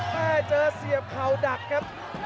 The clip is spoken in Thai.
เจอเสียบเข่าดักครับ